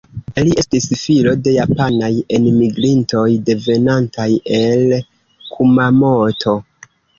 Li estis filo de japanaj enmigrintoj, devenantaj el Kumamoto.